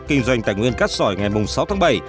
kinh doanh tài nguyên cát sỏi ngày sáu tháng bảy